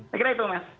saya kira itu mas